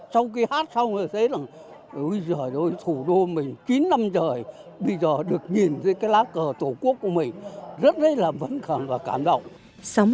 sau khi hát xong rồi thấy là thủ đô mình chín năm trời bây giờ được nhìn thấy cái lá cờ tổ quốc của mình rất là vấn khẳng và cảm động